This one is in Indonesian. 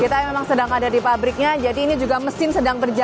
kita memang sedang ada di pabriknya jadi ini juga mesin sedang berjalan